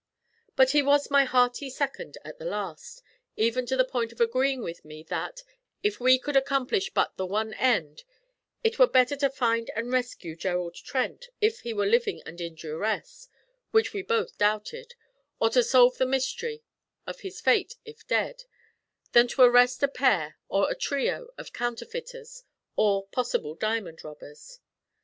But he was my hearty second at the last, even to the point of agreeing with me that, if we could accomplish but the one end, it were better to find and rescue Gerald Trent, if he were living and in duress, which we both doubted, or to solve the mystery of his fate if dead, than to arrest a pair, or a trio, of counterfeiters, or possible diamond robbers.